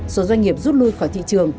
số doanh nghiệp rút lui khỏi thị trường